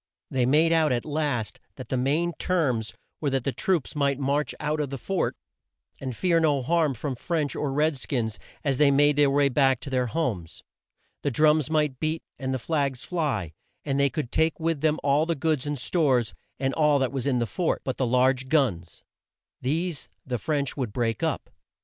They made out at last that the main terms were that the troops might march out of the fort, and fear no harm from French or red skins as they made their way back to their homes. The drums might beat and the flags fly, and they could take with them all the goods and stores, and all that was in the fort but the large guns. These the French would break up.